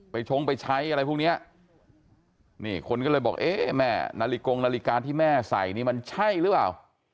ชงไปใช้อะไรพวกเนี้ยนี่คนก็เลยบอกเอ๊ะแม่นาฬิกงนาฬิกาที่แม่ใส่นี่มันใช่หรือเปล่า